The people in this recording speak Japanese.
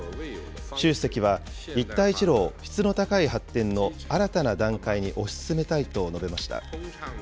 習主席は一帯一路を質の高い発展の新たな段階に推し進めたいと述べました。